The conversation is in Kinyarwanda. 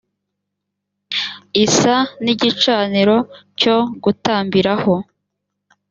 isa n igicaniro cyo gutambiraho